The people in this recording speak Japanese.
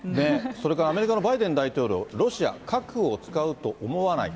それからアメリカのバイデン大統領、ロシア、核を使うと思わない。